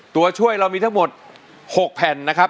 ตัวช่วยเรามีทั้งหมด๖แผ่นนะครับ